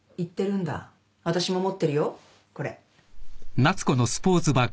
わたしも持ってるよこれ。